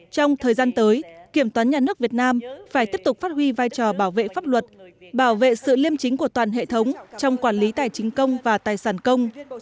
trong thời gian tới kiểm toán nhà nước việt nam phải tiếp tục phát huy vai trò bảo vệ pháp luật bảo vệ sự liêm chính của toàn hệ thống trong quản lý tài chính công và tài sản công